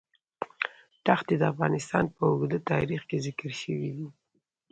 دښتې د افغانستان په اوږده تاریخ کې ذکر شوی دی.